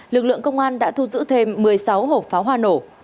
lực lượng công an đã thu giữ thêm một mươi sáu hộp pháo hoa nổ